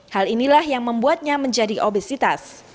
hal inilah yang membuatnya menjadi obesitas